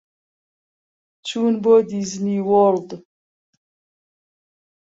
چوون بۆ دیزنی وۆرڵد.